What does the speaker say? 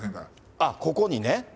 あっ、ここにね。